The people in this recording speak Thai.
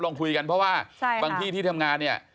ลองคุยกันเพราะว่าบางที่ที่ทำงานเนี่ย